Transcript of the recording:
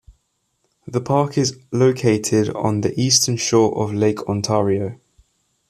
The park is located on the eastern shore of Lake Ontario.